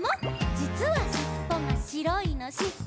「じつはしっぽがしろいのしってた？」